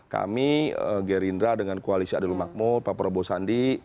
kami gerindra dengan koalisi adil makmur pak prabowo sandi